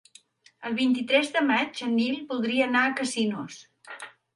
El vint-i-tres de maig en Nil voldria anar a Casinos.